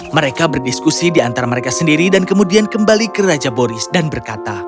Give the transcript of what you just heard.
mereka berdiskusi di antara mereka sendiri dan kemudian kembali ke raja boris dan berkata